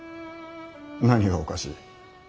何がおかしい。